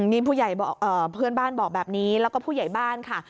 นี่เพื่อนบ้านบอกแบบนี้แล้วก็ผู้ใหญ่บ้านค่ะ